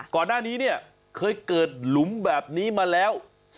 ก่อนหน้านี้เนี่ยเคยเกิดหลุมแบบนี้มาแล้ว